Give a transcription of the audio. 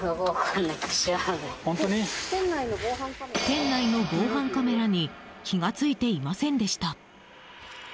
店内の防犯カメラに気が付いていませんでした。